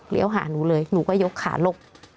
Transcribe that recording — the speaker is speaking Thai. เลี้ยวหาหนูเลยหนูก็ยกขาลบ